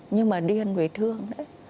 nhưng mà điên vì thương đấy